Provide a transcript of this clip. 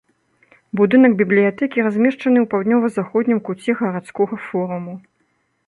Будынак бібліятэкі размешчаны ў паўднёва-заходнім куце гарадскога форуму.